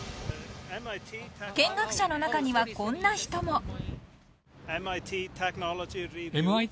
［見学者の中にはこんな人も］